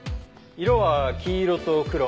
色は黄色と黒。